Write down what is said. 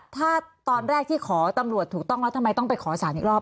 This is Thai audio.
ถ้าตอนแรกที่ขอตำรวจถูกต้องแล้วทำไมต้องไปขอสารอีกรอบ